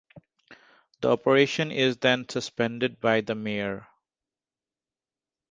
The operation is then suspended by the mayor.